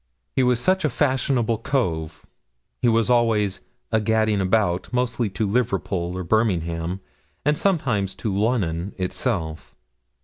'He was such a fashionable cove:' he was always 'a gadding about, mostly to Liverpool and Birmingham, and sometimes to Lunnun, itself.'